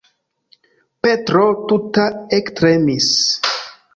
Petro tuta ektremis.